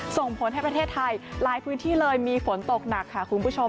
ส่งผลให้ประเทศไทยหลายพื้นที่เลยมีฝนตกหนักค่ะคุณผู้ชม